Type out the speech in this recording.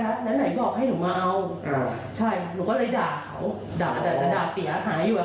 ใช่แล้วหนูก็ทำอีเลยสู้กันแล้วก็ตอนนี้เขาก็กัดไปอีกไปมา